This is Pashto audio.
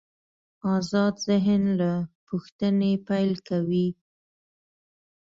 آزاد ذهن له پوښتنې پیل کوي.